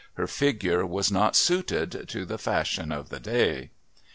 Her figure was not suited to the fashion of the day.